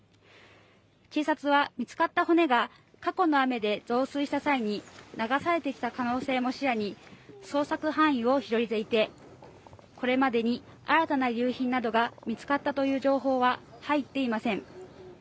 警察は見つかった骨が過去の雨で増水した際に流されてきた可能性も視野に捜索範囲を広げていてこれまでに新たな遺留品などが見つかったという情報は入っていません。